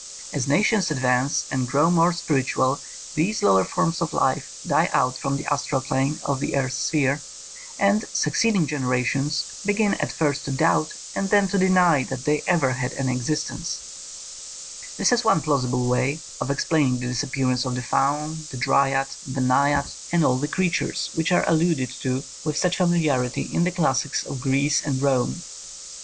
As nations advance and grow more spiritual these lower forms of life die out from the astral plane of that earth's sphere, and succeeding generations begin at first to doubt and then to deny that they ever had anj^ existence. '' This is one plausi ble way of explaining the disappearance of the faun, the dryad, the naiad, and all the 149 THE COMING OF THE FAIRIES creatures which are alluded to with such familiarity in the classics of Greece and Rome.